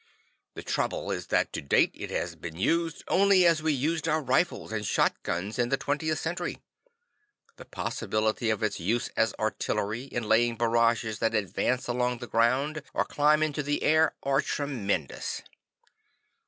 The trouble is that to date it has been used only as we used our rifles and shot guns in the 20th Century. The possibilities of its use as artillery, in laying barrages that advance along the ground, or climb into the air, are tremendous.